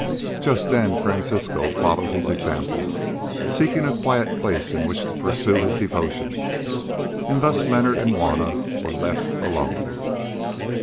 Just then Francisco followed his example, seeking a quiet place in which to pursue his devotions, and thus Leonard and Juanna were left alone.